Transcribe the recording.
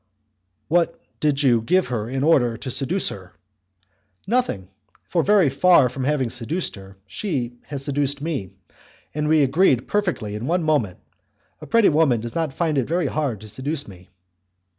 "What did you give her in order to seduce her?" "Nothing; for very far from having seduced her, she has seduced me, and we agreed perfectly in one moment; a pretty woman does not find it very hard to seduce me."